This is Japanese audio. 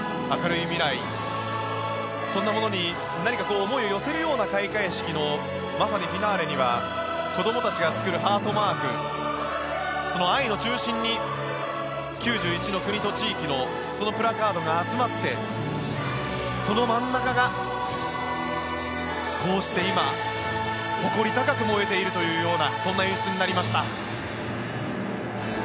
明るい未来、そんなものに何か思いを寄せるような開会式のまさにフィナーレには子どもたちが作るハートマークその愛の中心に９１の国と地域のそのプラカードが集まってその真ん中がこうして今誇り高く燃えているというようなそんな演出になりました。